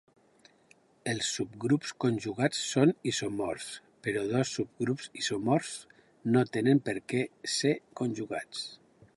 Els subgrups conjugats són isomorfs, però dos subgrups isomorfs no tenen per què ser conjugats.